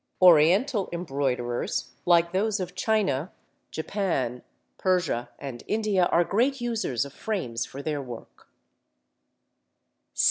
Oriental embroiderers, like those of China, Japan, Persia, and India, are great users of frames for their work.